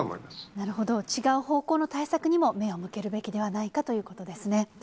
なるほど、違う方向の対策にも、目を向けるべきではないかということですね。